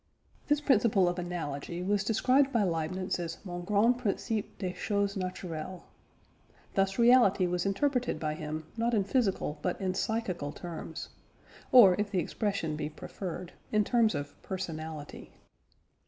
This principle of analogy was described by Leibniz as mon grand principe des choses naturelles. Thus reality was interpreted by him not in physical but in psychical terms, or if the expression be preferred, in terms of personality.